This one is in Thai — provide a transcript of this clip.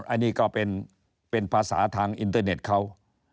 อันนี้ก็เป็นภาษาทางอินเทอร์เน็ตเขา